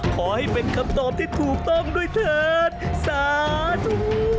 ขอให้เป็นคำตอบที่ถูกต้องด้วยเถิดสาธุ